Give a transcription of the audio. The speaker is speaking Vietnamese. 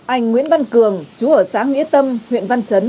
anh nguyễn văn cường chú ở xã nghĩa tâm huyện văn chấn